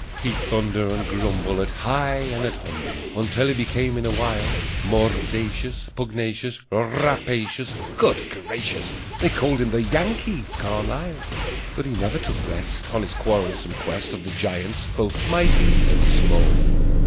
He'd thunder and grumble At high and at humble Until he became, in a while, Mordacious, pugnacious, Rapacious. Good gracious! They called him the Yankee Carlyle! But he never took rest On his quarrelsome quest Of the giants, both mighty and small.